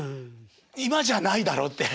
「今じゃないだろ」って。